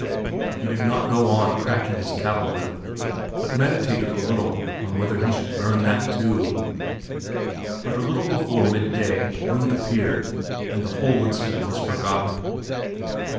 He did not go on cracking his cattle whip, but meditated a little on whether he should burn that too. But a little before midday Rud appeared, and the whole incident was forgotten.